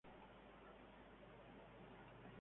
Fue un acontecimiento luctuoso para la historia paraguaya.